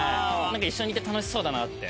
一緒にいて楽しそうだなって。